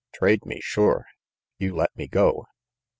"Trade me, sure. You let me go."